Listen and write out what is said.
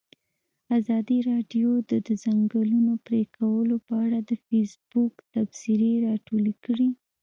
ازادي راډیو د د ځنګلونو پرېکول په اړه د فیسبوک تبصرې راټولې کړي.